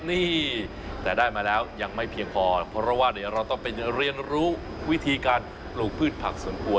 นี่แต่ได้มาแล้วยังไม่เพียงพอเพราะว่าเดี๋ยวเราต้องไปเรียนรู้วิธีการปลูกพืชผักสวนครัว